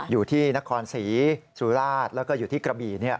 อยู่ที่นครศรีสุราชแล้วก็อยู่ที่กระบี่